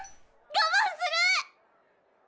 我慢する。